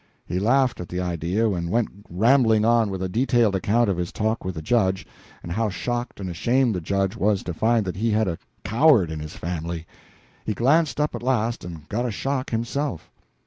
He laughed at the idea, and went rambling on with a detailed account of his talk with the Judge, and how shocked and ashamed the Judge was to find that he had a coward in his family. He glanced up at last, and got a shock himself.